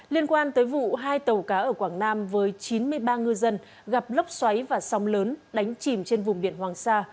liên quan tới vụ hai tàu cá ở quảng nam với chín mươi ba ngư dân gặp lốc xoáy và sóng lớn đánh chìm trên vùng biển hoàng sa